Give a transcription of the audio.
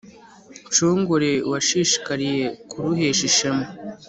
Nshongore washishikariye kuruhesha ishema